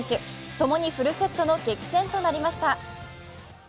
ともにフルセットの激戦となりました。